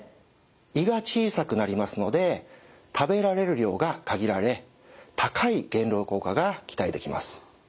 胃が小さくなりますので食べられる量が限られ高い減量効果が期待できます。